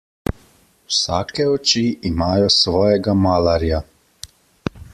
Vsake oči imajo svojega malarja.